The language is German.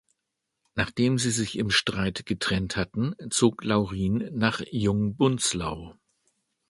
Nachdem sie sich im Streit getrennt hatten, zog Laurin nach Jungbunzlau.